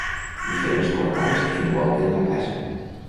Diferents corrals envolten la casa.